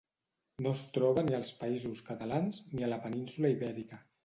No es troba ni als països catalans ni a la península Ibèrica.